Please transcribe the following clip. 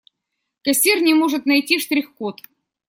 Кассир не может найти штрих-код.